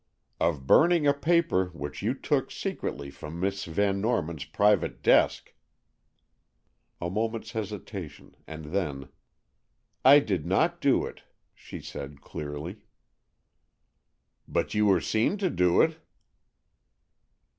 "Of burning a paper which you took secretly from Miss Van Norman's private desk." A moment's hesitation, and then, "I did not do it," she said clearly. "But you were seen to do it."